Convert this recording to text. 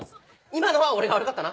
今のは俺が悪かったな。